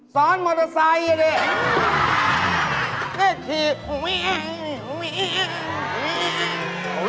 ซ้อนมอเตอร์ไซค์อ่ะเนี่ยรีบก่อนเนี่ย